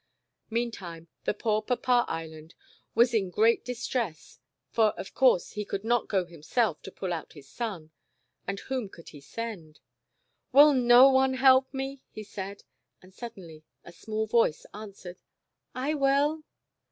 Meantime, the poor Papa Island was in great distress, for of course, he could not go himself to pull out his son, and whom could he send? "Will no one help me?" he said, and sud denly a small voice answered : "I will."